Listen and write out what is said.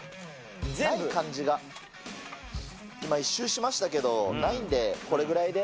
ない感じが、今１周しましたけれども、ないんで、これぐらいで。